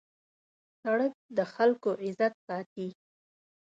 سړک د خلکو عزت ساتي.